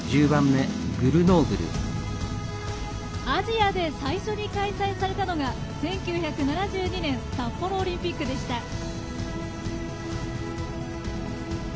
アジアで最初に開催されたのが１９７２年札幌オリンピックでした。